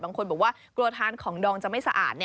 บางคนบอกว่ากลัวทานของดองจะไม่สะอาด